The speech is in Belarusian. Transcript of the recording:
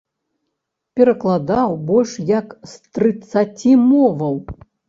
Перакладаў больш як з трыццаці моваў.